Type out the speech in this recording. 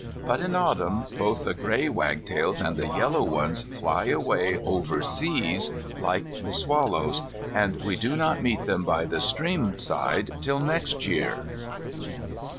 But in autumn, both the grey wagtails and the yellow ones fly away over seas like the swallows, and we do not meet them by the stream side till next year.